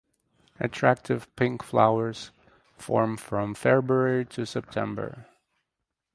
Attractive pink flowers form from February to September.